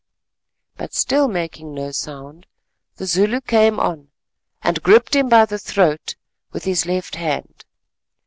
But still making no sound, the Zulu came on and gripped him by the throat with his left hand.